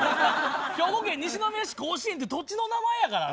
兵庫県西宮市甲子園っていう土地の名前やからあれ。